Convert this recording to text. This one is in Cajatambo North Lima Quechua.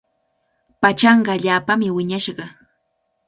Pachanqa allaapami wiñashqa.